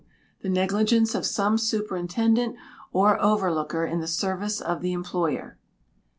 The negligence of some superintendent or overlooker in the service of the employer.